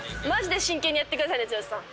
真剣にやってくださいね剛さん。